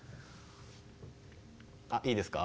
あっいいですか？